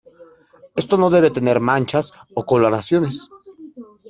Esto no debe tener manchas o coloraciones.